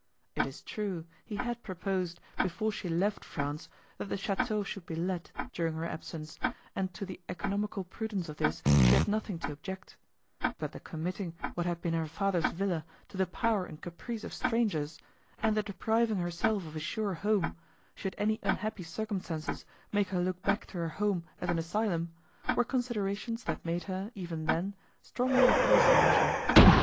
It is true, he had proposed, before she left France, that the château should be let, during her absence, and to the economical prudence of this she had nothing to object; but the committing what had been her father's villa to the power and caprice of strangers, and the depriving herself of a sure home, should any unhappy circumstances make her look back to her home as an asylum, were considerations that made her, even then, strongly oppose the measure.